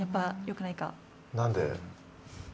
何で？